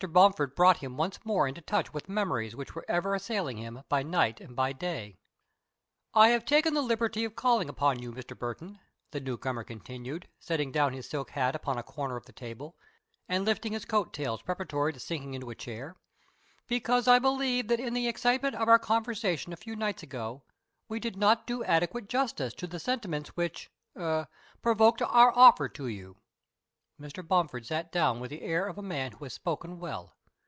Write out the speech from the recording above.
Bomford brought him once more into touch with memories which were ever assailing him by night and by day. "I have taken the liberty of calling upon you, Mr. Burton," the newcomer continued, setting down his silk hat upon a corner of the table, and lifting his coat tails preparatory to sinking into a chair, "because I believe that in the excitement of our conversation a few nights ago, we did not do adequate justice to the sentiments which er provoked our offer to you." Mr. Bomford sat down with the air of a man who has spoken well.